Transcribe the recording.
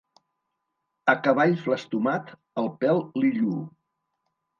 A cavall flastomat, el pèl li lluu.